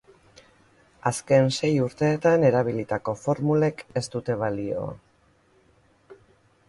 Azken sei urteetan erabilitako formulek ez dute balio.